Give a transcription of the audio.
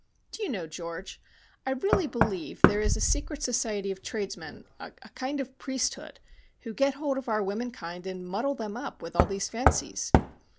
Do you know, George, I really believe there is a secret society of tradesmen, a kind of priesthood, who get hold of our womenkind and muddle them up with all these fancies.